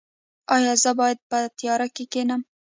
ایا زه باید په تیاره کې کینم؟